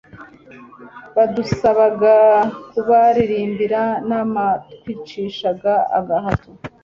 badusabaga kubaririmbira n'abatwicishaga agahato